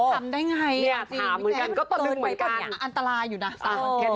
ทำได้ไงจริงมันเกิดอย่างอันตรายอยู่น่ะ๓วันเนี่ยถามเหมือนกันก็ตอนนึงเหมือนกัน